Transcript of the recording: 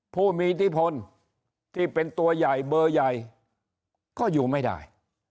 ผู้มีอิทธิพลที่เป็นตัวใหญ่เบอร์ใหญ่ก็อยู่ไม่ได้